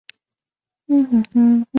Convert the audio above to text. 以羽球队和管乐团闻名。